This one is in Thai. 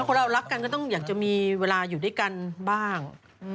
คนเรารักกันก็ต้องอยากจะมีเวลาอยู่ด้วยกันบ้าง